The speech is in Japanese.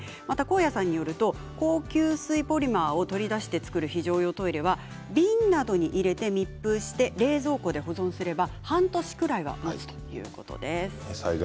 また甲谷さんによると高吸水ポリマーを取り出して作る非常用トイレは瓶などに入れて密封して冷蔵庫で保存すれば半年ぐらいはもつということです。